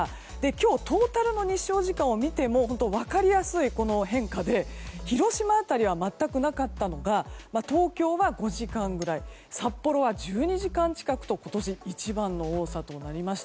今日トータルの日照時間を見ても分かりやすい変化で広島辺りは全くなかったのが東京は５時間ぐらい札幌は１２時間近くと今年一番の多さとなりました。